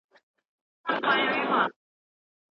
کله به د پاڼې تن د لمر په رڼا روغ شي؟